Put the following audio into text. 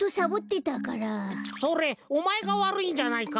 それおまえがわるいんじゃないか？